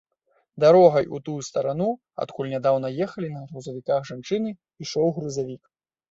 Дарогай, у тую старану, адкуль нядаўна ехалі на грузавіках жанчыны, ішоў грузавік.